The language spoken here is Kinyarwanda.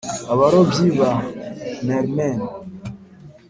abarobyi ba mermen